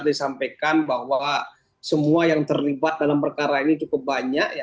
disampaikan bahwa semua yang terlibat dalam perkara ini cukup banyak